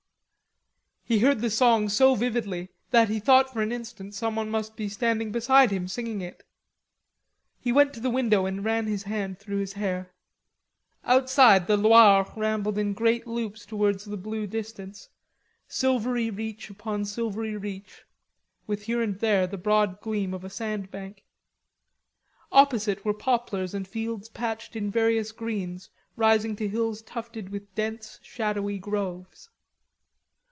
He heard the song so vividly that he thought for an instant someone must be standing beside him singing it. He went to the window and ran his hand through his hair. Outside the Loire rambled in great loops towards the blue distance, silvery reach upon silvery reach, with here and there the broad gleam of a sand bank. Opposite were poplars and fields patched in various greens rising to hills tufted with dense shadowy groves.